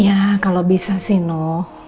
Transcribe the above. ya kalau bisa sih noh